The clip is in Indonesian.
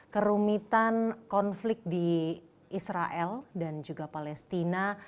kerumitan konflik di israel dan juga palestina